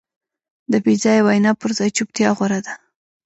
د بېځایه وینا پر ځای چوپتیا غوره ده.